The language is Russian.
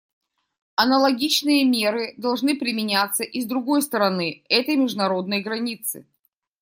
Аналогичные меры должны применяться и с другой стороны этой международной границы.